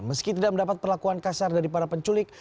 meski tidak mendapat perlakuan kasar dari para penculik